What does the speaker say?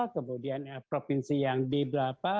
kemudian provinsi yang d berapa